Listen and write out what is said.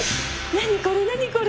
何これ何これ？